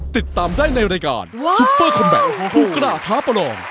ติดตามได้ในรายการซุปเปอร์คอมแบตภูกระดาษท้าประลอง